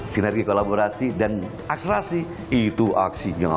sinergi kolaborasi dan akselerasi itu aksinya